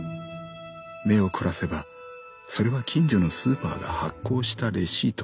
目を凝らせばそれは近所のスーパーが発行したレシートだった。